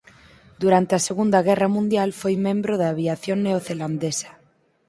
Durante a Segunda Guerra Mundial foi membro da aviación neozelandesa.